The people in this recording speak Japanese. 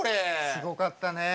すごかった。